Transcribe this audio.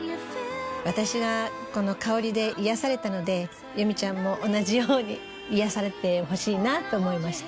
私がこの香りで癒やされたので由美ちゃんも同じように癒やされてほしいなと思いまして。